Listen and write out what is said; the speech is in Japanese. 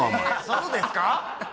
そうですか？